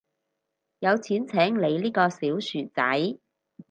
有錢請你呢個小薯仔